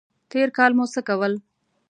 تېر کال مو څه کول؟